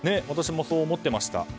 私もそう思っていました。